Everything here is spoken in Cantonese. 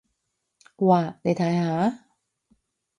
哇，你睇下！